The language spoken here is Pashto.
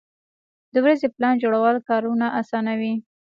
د ورځې پلان جوړول کارونه اسانوي.